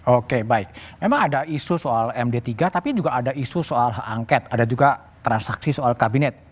oke baik memang ada isu soal md tiga tapi juga ada isu soal hak angket ada juga transaksi soal kabinet